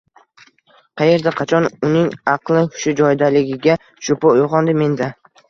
— Qayerda? Qachon? — Uning aqli-hushi joyidaligiga shubha uyg’ondi menda.